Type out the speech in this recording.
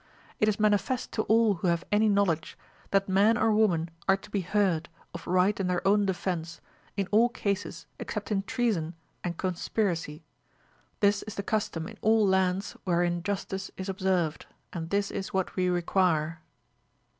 It is manifest to all who have any knowledge, that man or woman are to be heard, of right in their own defence, in all cases except in treason and conspiracy j this is the custom in all lands wherein justice is observed, and this is what we require.